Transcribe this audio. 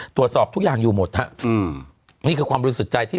ตรวจสอบทุกอย่างอยู่หมดน่ะอืมนี่คือความรู้สึกใจที่